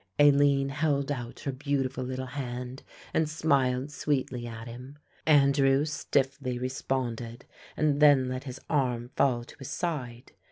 Aline held out her beautiful little hand and smiled sweetly at him. Andrew stiffly responded and then let his arm fall to his side.